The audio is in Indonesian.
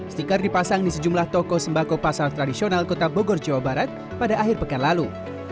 stiker dipasang di sejumlah toko sembako pasar tradisional kota bogor jawa barat pada akhir pekan lalu